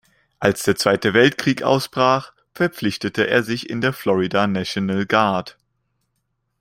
Als der Zweite Weltkrieg ausbrach, verpflichtete er sich in der "Florida National Guard".